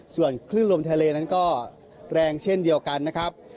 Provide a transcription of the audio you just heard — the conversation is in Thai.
ส่วนคลื่นลมทะเลนั้นก็แรงเช่นเดียวกันนะครับ